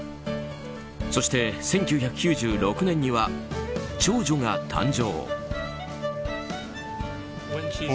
そして１９９６年には長女が誕生。